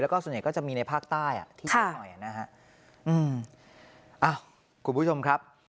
แล้วก็ส่วนใหญ่ก็จะมีในภาคใต้อ่ะที่สูงหน่อยนะฮะอืมอ้าวคุณผู้ชมครับ